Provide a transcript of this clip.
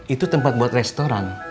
itu tempat buat restoran